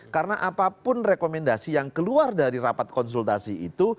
karena apapun rekomendasi yang keluar dari rapat konsultasi itu